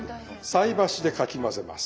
菜箸でかき混ぜます。